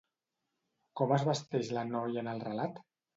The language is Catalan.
Com es vesteix la noia en el relat?